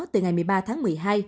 từ ngày một mươi ba tháng một mươi hai